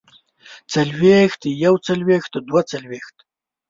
څلوېښت يوڅلوېښت دوه څلوېښت